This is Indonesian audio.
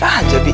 ya udah deh bik